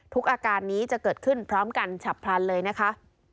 อาการนี้จะเกิดขึ้นพร้อมกันฉับพลันเลยนะคะ